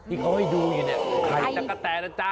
ที่เขาให้ดูอยู่เนี่ยไข่ตะกะแตนะจ๊ะ